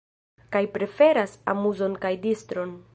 Kaj preferas amuzon kaj distron.